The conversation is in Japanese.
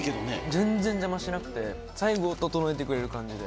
全然邪魔しなくて最後調えてくれる感じで。